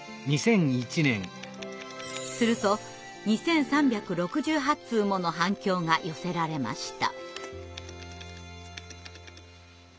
すると２３６８通もの反響が寄せられました。